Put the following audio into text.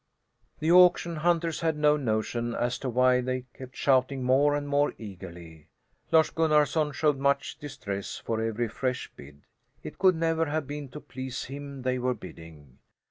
The auction hunters had no notion as to why they kept shouting more and more eagerly. Lars Gunnarson showed much distress for every fresh bid; it could never have been to please him they were bidding.